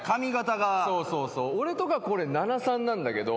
俺とかこれ７・３なんだけど。